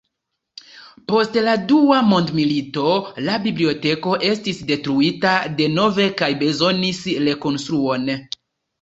Post la Dua mondmilito, la biblioteko estis detruita denove kaj bezonis rekonstruon.